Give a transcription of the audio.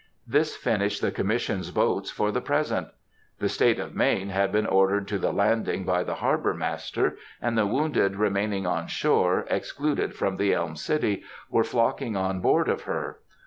This finished the Commission's boats for the present. The State of Maine had been ordered to the landing by the Harbor master, and the wounded remaining on shore, excluded from the Elm City, were flocking on board of her.